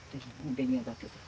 ベニヤだけで。